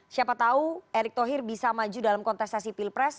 siapa tahu erick thohir bisa maju dalam kontestasi pilpres